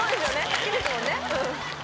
好きですもんね